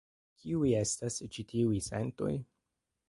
Kiuj estas ĉi tiuj sentoj?